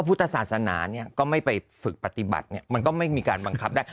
พุทธศาสนาเนี่ยก็ไม่ไปฝึกปฏิบัติมันก็ไม่มีการบังคับได้